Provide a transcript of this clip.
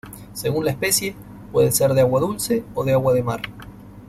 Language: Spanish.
Según la especie, pueden ser de agua dulce o de agua de mar.